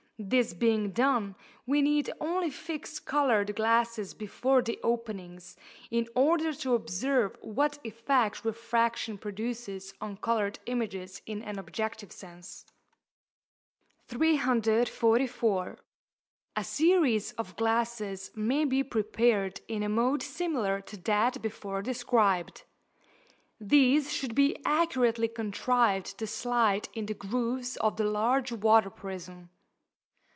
This being done, we need only fix coloured glasses before the openings, in order to observe what effect refraction produces on coloured images in an objective sense. 344. A series of glasses may be prepared in a mode similar to that before described (284); these should be accurately contrived to slide in the grooves of the large water prism.